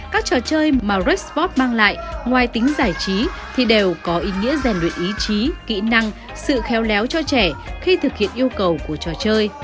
các trò chơi mà resport mang lại ngoài tính giải trí thì đều có ý nghĩa rèn luyện ý chí kỹ năng sự khéo léo cho trẻ khi thực hiện yêu cầu của trò chơi